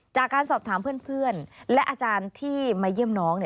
จากการสอบถามเพื่อนและอาจารย์ที่มาเยี่ยมน้อง